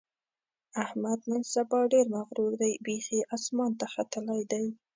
احمد نن سبا ډېر مغرور دی؛ بیخي اسمان ته ختلی دی.